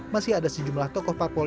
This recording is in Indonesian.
masih ada sejumlah tokoh parpol